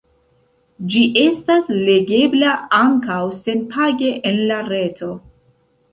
Ĝi estas legebla ankaŭ senpage en la reto.